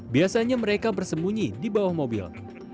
biasanya mereka bersembunyi di bawah mobil